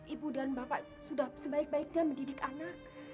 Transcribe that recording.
ibu dan bapak sudah sebaik baiknya mendidik anak